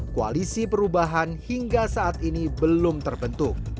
koalisi perubahan hingga saat ini belum terbentuk